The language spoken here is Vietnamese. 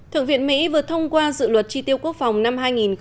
thượng viện mỹ vừa thông qua dự luật tri tiêu quốc phòng năm hai nghìn hai mươi